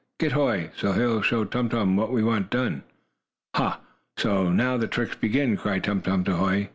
Get Hoy, so he'll show Tum Tum what we want done." "Ha! So now the tricks begin!" cried Tum Tum to Hoy.